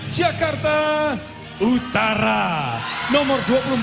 jakarta utara nomor dua puluh empat